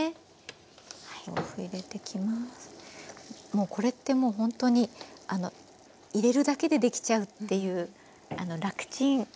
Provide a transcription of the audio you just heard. もうこれってもうほんとに入れるだけで出来ちゃうっていうラクちん